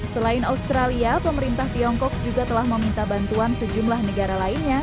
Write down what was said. selain australia pemerintah tiongkok juga telah meminta bantuan sejumlah negara lainnya